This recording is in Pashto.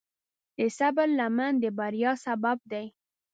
د صبر لمن د بریا سبب دی.